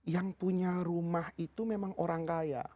yang punya rumah itu memang orang kaya